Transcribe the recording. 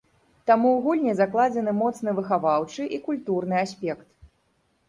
Таму ў гульні закладзены моцны выхаваўчы і культурны аспект.